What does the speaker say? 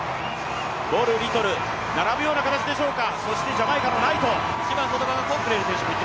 ボル、リトル、並ぶような形でしょうか。